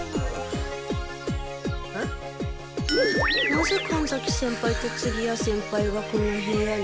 なぜ神崎先輩と次屋先輩がこの部屋に？